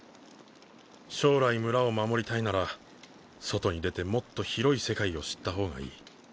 将来村を守りたいなら外に出てもっと広い世界を知った方がいい。